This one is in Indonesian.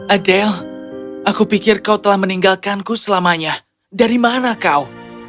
adel aku pikir kau telah meninggalkanku selamanya dari mana kau